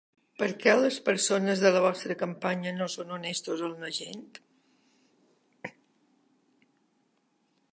Per què les persones de la vostra campanya no són honestos amb la gent?